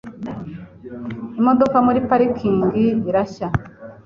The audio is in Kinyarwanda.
Imodoka muri parikingi irashya.